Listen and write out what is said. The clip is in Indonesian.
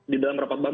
di dalam rapat rapat